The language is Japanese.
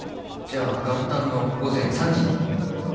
じゃあ元旦の午前３時に。